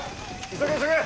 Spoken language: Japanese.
急げ急げ！